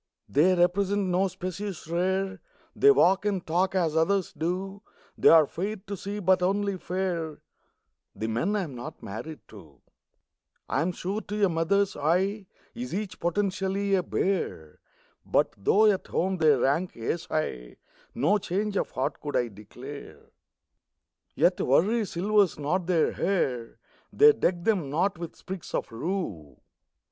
They represent no species rare, They walk and talk as others do; They're fair to see but only fair The men I am not married to. I'm sure that to a mother's eye Is each potentially a bear. But though at home they rank ace high, No change of heart could I declare. Yet worry silvers not their hair; They deck them not with sprigs of rue.